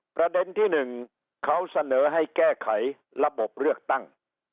ประเด็นที่๑เขาเสนอให้แก้ไขระบบเลือกตั้ง